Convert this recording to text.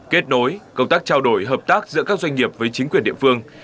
kết nối công tác trao đổi hợp tác giữa các doanh nghiệp với chính quyền địa phương